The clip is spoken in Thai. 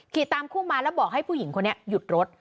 ตามคู่มาแล้วบอกให้ผู้หญิงคนนี้หยุดรถ